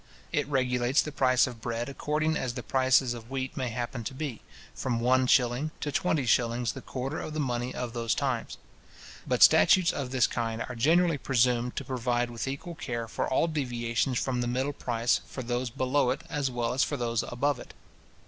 It regulates the price of bread according as the prices of wheat may happen to be, from one shilling to twenty shillings the quarter of the money of those times. But statutes of this kind are generally presumed to provide with equal care for all deviations from the middle price, for those below it, as well as for those above it.